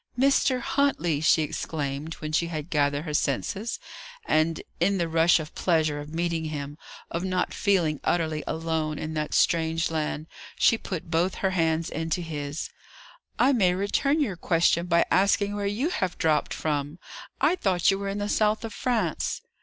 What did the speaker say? "Mr. Huntley!" she exclaimed, when she had gathered her senses; and, in the rush of pleasure of meeting him, of not feeling utterly alone in that strange land, she put both her hands into his. "I may return your question by asking where you have dropped from. I thought you were in the south of France."